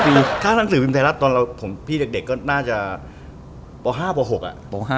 ปีปีตอนพี่เด็กก็น่าจะป๕๖อ่ะป๕๖ยุค๘๐อ่ะ